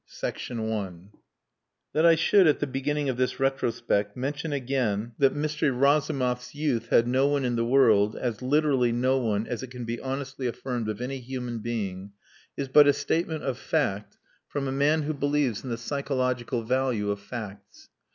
PART FOUR I That I should, at the beginning of this retrospect, mention again that Mr. Razumov's youth had no one in the world, as literally no one as it can be honestly affirmed of any human being, is but a statement of fact from a man who believes in the psychological value of facts.